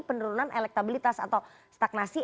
penurunan elektabilitas atau stagnasi